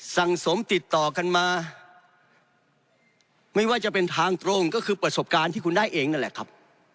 สมติดต่อกันมาไม่ว่าจะเป็นทางตรงก็คือประสบการณ์ที่คุณได้เองนั่นแหละครับ